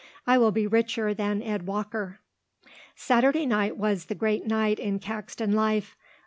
"I will be richer than Ed Walker." Saturday night was the great night in Caxton life.